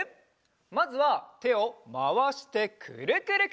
まずはてをまわしてくるくるくる。